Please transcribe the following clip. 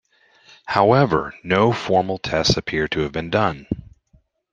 However, no formal tests appear to have been done.